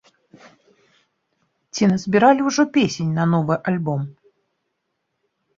Ці назбіралі ўжо песень на новы альбом?